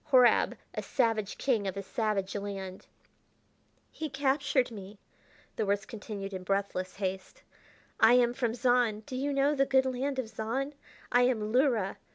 Horab a savage king of a savage land "He captured me," the words continued in breathless haste. "I am from Zahn: do you know the good land of Zahn? I am Luhra.